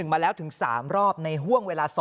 มาแล้วถึง๓รอบในห่วงเวลา๒